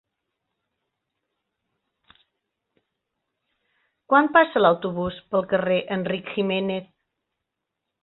Quan passa l'autobús pel carrer Enric Giménez?